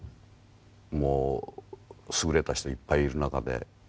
もう優れた人いっぱいいる中で。